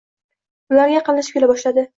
Ularga yaqinlashib kela boshladi.